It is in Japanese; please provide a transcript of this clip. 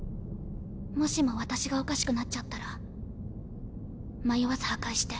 もしも私がおかしくなっちゃったら迷わず破壊して。